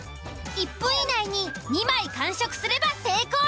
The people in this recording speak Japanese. １分以内に２枚完食すれば成功です。